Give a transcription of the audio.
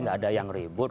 gak ada yang ribut